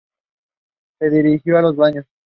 Se dirigió a los baños.